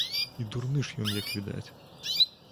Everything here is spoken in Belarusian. І дурны ж ён, як відаць.